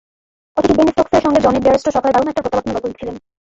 অথচ বেন স্টোকসের সঙ্গে জনি বেয়ারস্টো সকালে দারুণ একটা প্রত্যাবর্তনের গল্প লিখছিলেন।